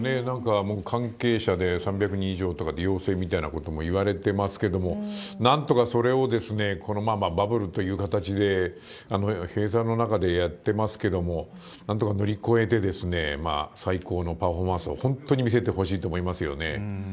なんかもう関係者で３００人以上とかで陽性みたいなこともいわれてますけれども、なんとかそれをこのバブルという形で閉鎖の中でやってますけれども、なんとか乗り越えて、最高のパフォーマンスを本当に見せてほしいと思いますよね。